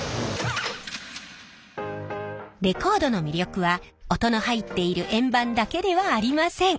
レコードの魅力は音の入っている円盤だけではありません。